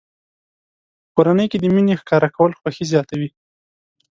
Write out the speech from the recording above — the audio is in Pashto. په کورنۍ کې د مینې ښکاره کول خوښي زیاتوي.